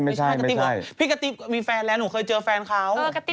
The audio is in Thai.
เขาบอกเอ้าก็เป็นพยานชนะใส่